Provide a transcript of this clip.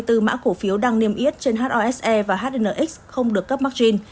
từ mã cổ phiếu đang niêm yết trên hose và hnx không được cấp margin